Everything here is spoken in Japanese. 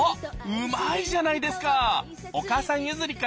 うまいじゃないですか。